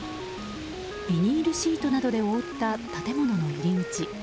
ビニールシートなどで覆った建物の入り口。